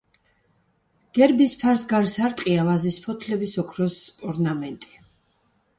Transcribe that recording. გერბის ფარს გარს არტყია ვაზის ფოთლების ოქროს ორნამენტი.